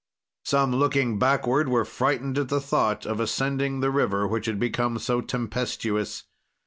"Some, looking backward, were frightened at the thought of ascending the river, which had become so tempestuous.